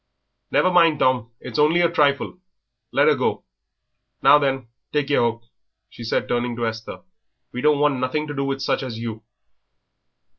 "Never mind, Tom; it is only a trifle. Let her go. Now then, take yer hook," she said, turning to Esther; "we don't want nothing to do with such as you."